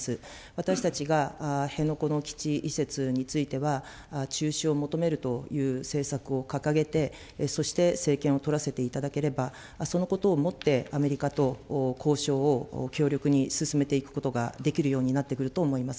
私たちが、辺野古の基地移設については、中止を求めるという政策を掲げて、そして政権を取らせていただければ、そのことをもってアメリカと交渉を強力に進めていくことができるようになってくると思います。